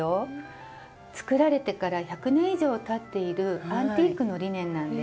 作られてから１００年以上たっているアンティークのリネンなんです。